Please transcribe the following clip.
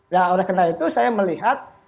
ya karena itu saya melihat